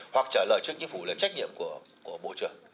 hoặc trả lời trước chính phủ là trách nhiệm của bộ trưởng